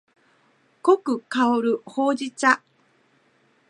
濃く香るほうじ茶